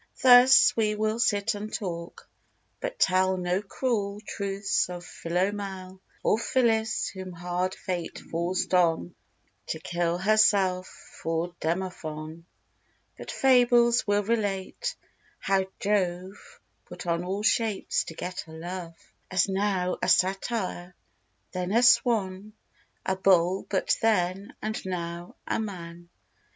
Thus we will sit and talk, but tell No cruel truths of Philomel, Or Phillis, whom hard fate forced on To kill herself for Demophon; But fables we'll relate; how Jove Put on all shapes to get a Love; As now a satyr, then a swan, A bull but then, and now a man.